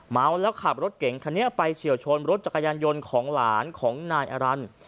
เมาแล้วขับรถเก่งคันนี้ไปเฉียวชนรถจักรยานยนต์ของหลานของนายอรันทร์